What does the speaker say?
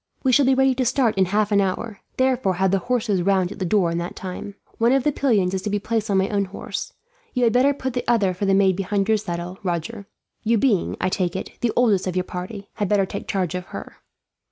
"We shall be ready to start in half an hour, therefore have the horses round at the door in that time. One of the pillions is to be placed on my own horse. You had better put the other for the maid behind your saddle, Roger; you being, I take it, the oldest of your party, had better take charge of her."